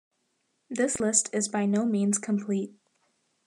This list is by no means complete.